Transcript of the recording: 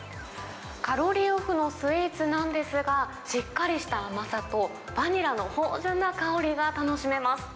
カロリーオフのスイーツなんですが、しっかりした甘さとバニラの芳じゅんな香りが楽しめます。